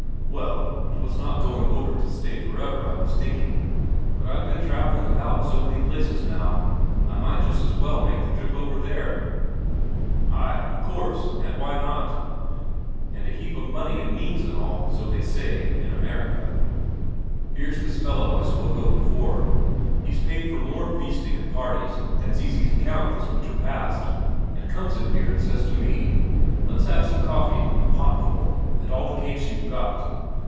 "Well, 'twas not going over to stay for ever I was thinking. But I've been travelling about so many places now, I might just as well make the trip over there." "Ay, of course, and why not? And a heap of money and means and all, so they say, in America. Here's this fellow I spoke of before; he's paid for more feasting and parties than's easy to count this winter past, and comes in here and says to me, 'Let's have some coffee, a potful, and all the cakes you've got.'